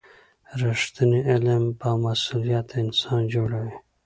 رښتینی علم بامسؤلیته انسان جوړوي.